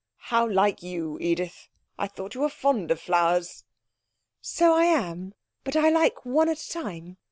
'How like you, Edith! I thought you were fond of flowers.' 'So I am, but I like one at a time.